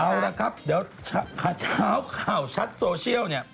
เอาล่ะครับเดี๋ยวข่าวชัดโซเชียล